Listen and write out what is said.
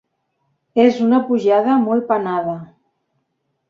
És una pujada molt penada.